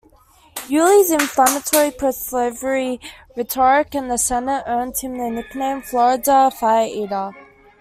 Yulee's inflammatory pro-slavery rhetoric in the Senate earned him the nickname "Florida Fire Eater".